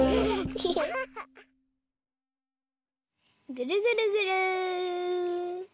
ぐるぐるぐる。